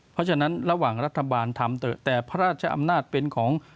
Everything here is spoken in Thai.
เพราะฉะนั้นระหว่างรัฐบาลทำเถอะแต่พระราชอำนาจเป็นของ